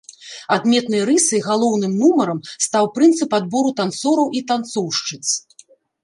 Адметнай рысай, галоўным нумарам, стаў прынцып адбору танцораў і танцоўшчыц.